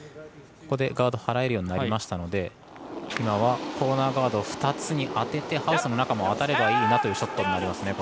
ここでガード払えるようになりましたので今はコーナーガードを２つ当ててハウスの中も当たればいいなというショットになります。